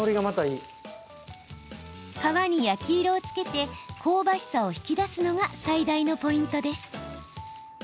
皮に焼き色をつけて香ばしさを引き出すのが最大のポイントです。